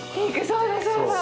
そうだそうだ。